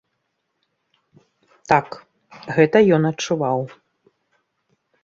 Так, гэта ён адчуваў.